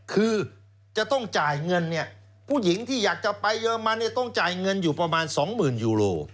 คือจะต้องจ่ายเงินเนี่ยผู้หญิงที่อยากจะไปเยอรมันเนี่ยต้องจ่ายเงินอยู่ประมาณ๒๐๐๐ยูโร